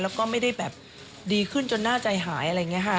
แล้วก็ไม่ได้แบบดีขึ้นจนหน้าใจหายอะไรอย่างนี้ค่ะ